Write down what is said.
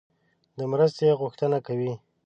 د مرستې غوښتنه کوي.